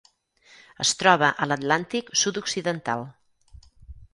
Es troba a l'Atlàntic sud-occidental.